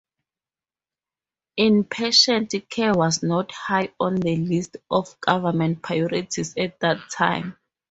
Inpatient care was not high on the list of government priorities at that time.